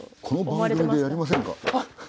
この番組でやりませんか？